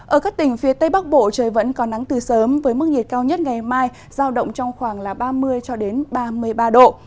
ở các tỉnh phía tây bắc bộ trời vẫn có nắng từ sớm với mức nhiệt cao nhất ngày mai giao động trong khoảng ba mươi ba mươi ba độ